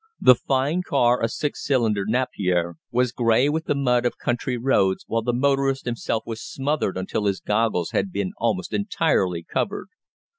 The fine car, a six cylinder "Napier," was grey with the mud of country roads, while the motorist himself was smothered until his goggles had been almost entirely covered.